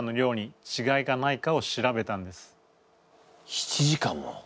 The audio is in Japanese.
７時間も？